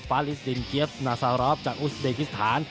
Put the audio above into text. ฟาลิสดินเกียฟนาซารอฟจากอุสเดกิษฐาน